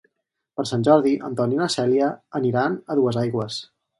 Per Sant Jordi en Ton i na Cèlia aniran a Duesaigües.